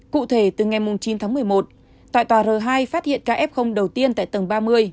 cụ thể từ ngày chín tháng một mươi một tòa nhà r hai phát hiện kf đầu tiên tại tầng ba mươi